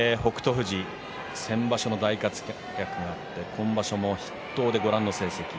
富士、先場所も大活躍があって今場所も筆頭で５勝３敗。